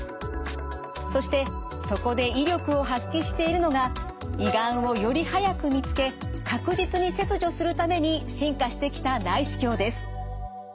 そしてそこで威力を発揮しているのが胃がんをより早く見つけ確実に切除するために進化してきた内視鏡です。